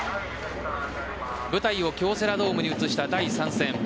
舞台を京セラドームに移した第３戦。